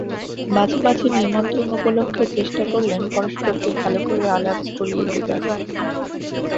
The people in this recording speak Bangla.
মাঝে মাঝে নিমন্ত্রণ উপলক্ষে চেষ্টা করলেন পরস্পরকে ভালো করে আলাপ করিয়ে দেবার।